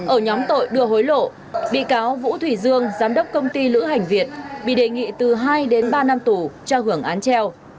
ở nhóm tội đưa hối lộ bị cáo vũ thủy dương giám đốc công ty lữ hành việt bị đề nghị từ hai đến ba năm tù cho hưởng án treo